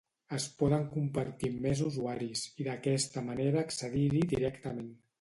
Es poden compartir amb més usuaris, i d’aquesta manera accedir-hi directament.